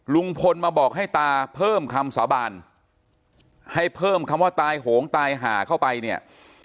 ลุงพลมาบอกให้ตาเพิ่มคำสาบานให้เพิ่มคำว่าตายโหงตายหาเข้าไปเนี่ย